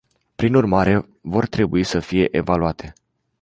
Prin urmare, vor trebui să fie evaluate.